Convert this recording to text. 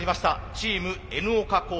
チームＮ岡高専です。